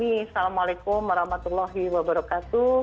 assalamualaikum warahmatullahi wabarakatuh